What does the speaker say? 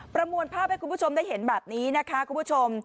มวลภาพให้คุณผู้ชมได้เห็นแบบนี้นะคะคุณผู้ชม